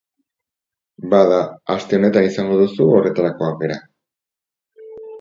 Bada, aste honetan izango duzu horretarako aukera.